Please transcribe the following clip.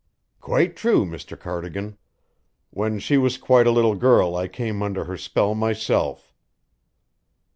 "Quite true, Mr. Cardigan. When she was quite a little girl I came under her spell myself."